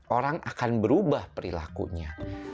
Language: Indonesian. orang akan berubah perilakunya